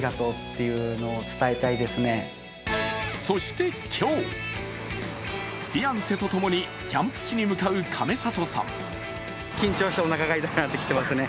そして今日、フィアンセとともにキャンプ地に向かう亀里さん。